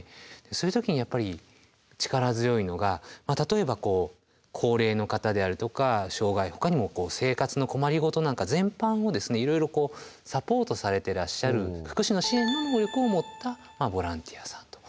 そういう時にやっぱり力強いのが例えば高齢の方であるとか障害ほかにも生活の困り事なんか全般をいろいろサポートされてらっしゃる福祉の支援の能力を持ったボランティアさんと。